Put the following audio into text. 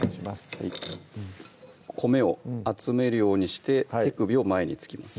はい米を集めるようにして手首を前に突きます